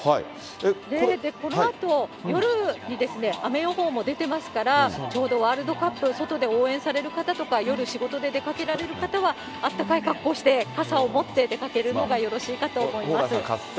このあと夜に雨予報も出てますから、ちょうどワールドカップを外で応援される方とか、夜仕事で出かけられる方は、あったかい格好をして、傘を持って、出かけたほうがよろしいかと思います。